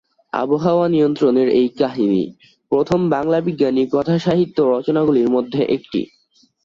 আবহাওয়ার নিয়ন্ত্রণের এই কাহিনী, প্রথম বাংলা বিজ্ঞান কথাসাহিত্য রচনাগুলির মধ্যে একটি।